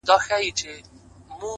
گراني راته راکړه څه په پور باڼه-